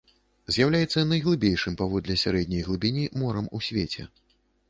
З'яўляецца найглыбейшым паводле сярэдняй глыбіні морам у свеце.